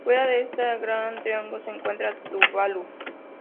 Fuera de este gran triángulo se encuentra Tuvalu.